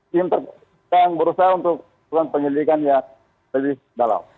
tim yang berusaha untuk menjadikan lebih dalam